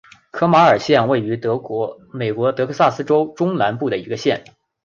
科马尔县位美国德克萨斯州中南部的一个县。